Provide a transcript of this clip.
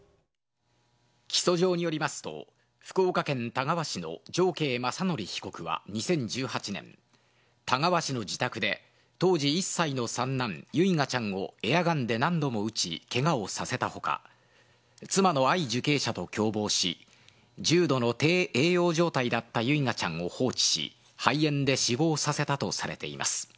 起訴状によりますと、福岡県田川市の常慶雅則被告は２０１８年、田川市の自宅で当時１歳の三男、唯雅ちゃんをエアガンで何度も撃ちけがをさせたほか、妻の藍受刑者と共謀し、重度の低栄養状態だった唯雅ちゃんを放置し、肺炎で死亡させたとされています。